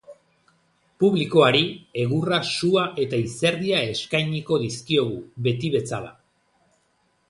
Publikoari, egurra, sua eta izerdia eskainiko dizkiogu, beti bezala.